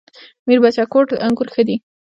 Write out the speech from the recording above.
میربچه کوټ انګور ښه دي؟